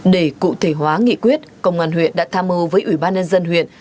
để cụ thể hóa nghị quyết công an huyện đã tham mưu với ủy ban nhân dân huyện